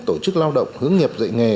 tổ chức lao động hướng nghiệp dạy nghề